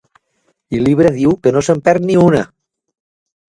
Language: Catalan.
I l'Ibra diu que no se'n perd ni una!